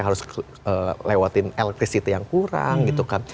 harus lewatin elektrisiti yang kurang gitu kan